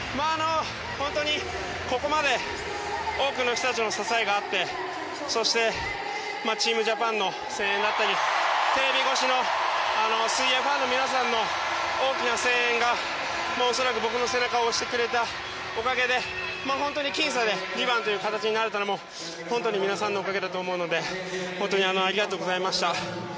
本当に、ここまで多くの人たちの支えがあってそして、チームジャパンの声援だったりテレビ越しの水泳ファンの皆さんの大きな声援が、恐らく僕の背中を押してくれたおかげで本当に僅差で２番という形になれたのも本当に皆さんのおかげだと思うので本当にありがとうございました。